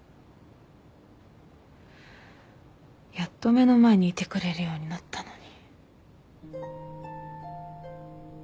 やっと目の前にいてくれるようになったのに。